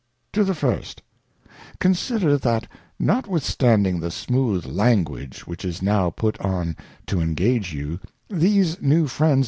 To the First'. Consider that notwithstanding the smooth ] Language which is now put on to engage you, these new Friends